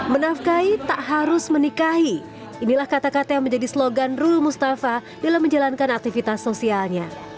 menafkai tak harus menikahi inilah kata kata yang menjadi slogan rul mustafa dalam menjalankan aktivitas sosialnya